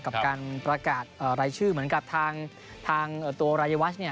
กับการประกาศรายชื่อเหมือนกับทางตัวรายวัชเนี่ย